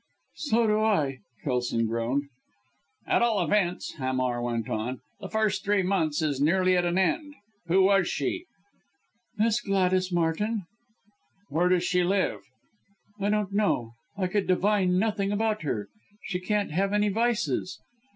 "So do I," Kelson groaned. "At all events," Hamar went on, "the first three months is nearly at an end. Who was she?" "Miss Gladys Martin!" "Where does she live?" "I don't know. I could divine nothing about her. She can't have any vices."